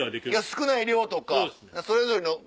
少ない量とかそれぞれの。